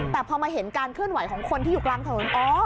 แต่พอมาเห็นการเคลื่อนไหวของคนที่อยู่กลางถนน